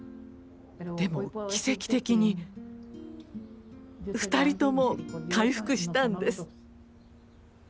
でも奇跡的に２人とも回復したんです。